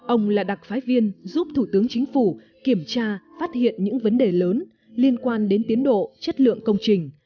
ông là đặc phái viên giúp thủ tướng chính phủ kiểm tra phát hiện những vấn đề lớn liên quan đến tiến độ chất lượng công trình